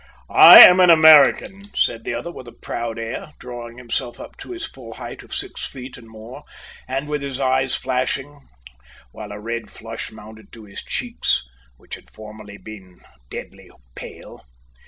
"I am an American!" said the other with a proud air, drawing himself up to his full height of six feet and more, and with his eyes flashing, while a red flush mounted to his cheeks, which had formerly been deadly pale.